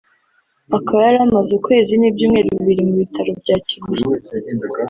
akaba yari amaze ukwezi n’ibyumweru bibiri mu bitaro bya Kibuye